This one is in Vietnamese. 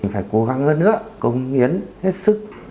phải cố gắng hơn nữa công hiến hết sức